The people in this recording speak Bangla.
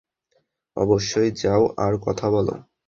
অবশ্যই যাও আর কথা বলো।